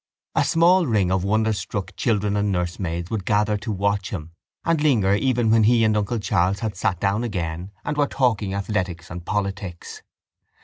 A small ring of wonderstruck children and nursemaids would gather to watch him and linger even when he and uncle Charles had sat down again and were talking athletics and politics.